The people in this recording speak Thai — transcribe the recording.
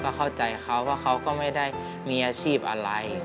เข้าใจเขาว่าเขาก็ไม่ได้มีอาชีพอะไร